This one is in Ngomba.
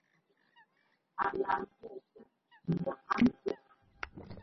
A laa mbɔɔ kuɛ́t mbɔ á npfú.